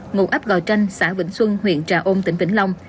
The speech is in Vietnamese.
ngụ ấp gò tranh xã vĩnh xuân huyện trà ôn tỉnh vĩnh long